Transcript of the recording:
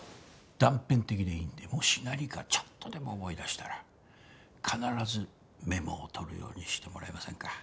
断片的でいいんでもし何かちょっとでも思い出したら必ずメモを取るようにしてもらえませんか？